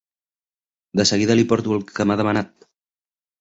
De seguida li porto el que m'ha demanat.